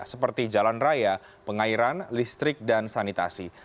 seperti jalan raya pengairan listrik dan sanitasi